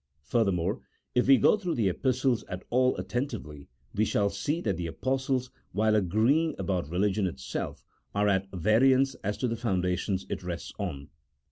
Furthermore, if we go through the Epistles at all atten tively, we shall see that the Apostles, while agreeing about religion itself, are at variance as to the foundations it rests on.